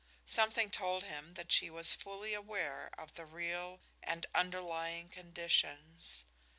Something told him that she was fully aware of the real and underlying conditions.